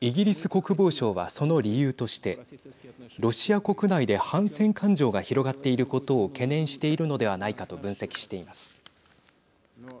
イギリス国防省はその理由としてロシア国内で反戦感情が広がっていることを懸念しているのではないかと分析しています。